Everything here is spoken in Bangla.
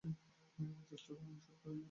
চেষ্টা করা নিষেধ, বুঝেছ?